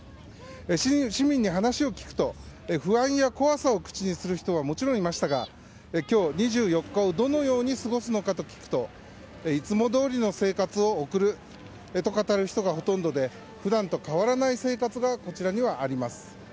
市民に話を聞くと不安や怖さを口にする人はもちろん、いましたが今日２４日をどのように過ごすのかと聞くといつもどおりの生活を送ると語る人がほとんどで普段と変わらない生活がこちらにはあります。